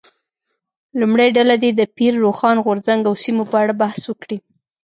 لومړۍ ډله دې د پیر روښان غورځنګ او سیمو په اړه بحث وکړي.